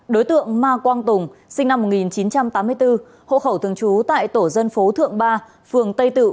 đối tượng ma quang tùng sinh năm một nghìn chín trăm tám mươi bốn hộ khẩu thường trú tại tổ dân phố thượng ba phường tây tự